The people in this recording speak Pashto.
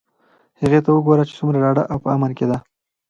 هغې ته وگوره چې څومره ډاډه او په امن کې ده.